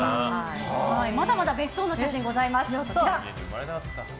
まだまだ別荘の写真ございます。